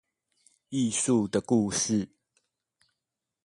藝術的故事